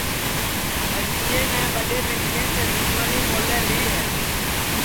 ٻستِین ٻڈؔے منکھینٚس دُسمنی مولے لی ہے